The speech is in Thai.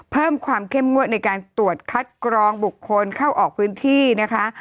เพิ่มความเข้มงวดในการตรวจคัดกรองบุคคลเข้าออกพื้นที่นะคะ